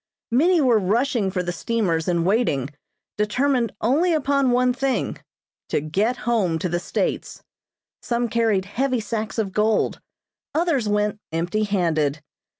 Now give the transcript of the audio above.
Many were rushing for the steamers in waiting, determined only upon one thing to get home to the States. Some carried heavy sacks of gold, others went empty handed.